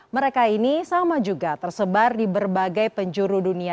mereka ini sama juga tersebar di berbagai penjuru dunia